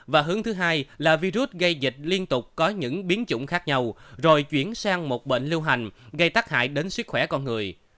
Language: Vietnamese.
và hướng thứ hai là virus gây dịch liên tục có những biến chủng khác nhau rồi chuyển sang một bệnh lưu hành gây tắc hại đến sức khỏe con người